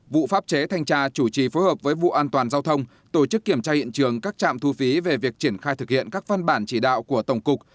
vụ pháp chế thanh tra chủ trì phối hợp với vụ an toàn giao thông tổ chức kiểm tra hiện trường các trạm thu phí về việc triển khai thực hiện các văn bản chỉ đạo của tổng cục